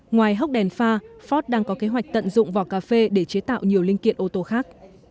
ngoài hóc đèn pha ford đang có kế hoạch tận dụng vỏ cà phê để chế tạo nhiều linh kiện ô tô khác